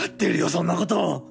そんなこと！